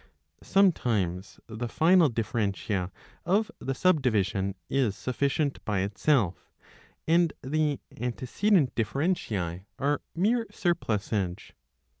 Sometimes the final differentia of the subdivision is sufficient by itself and the antecedent differentiae are mere surplusage.